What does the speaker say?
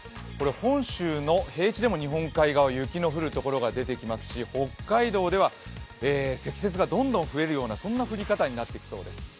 本州の平地でも日本海側、雪の降るところが出てきますし、北海道では積雪がどんどん増えるような降り方になってきそうです。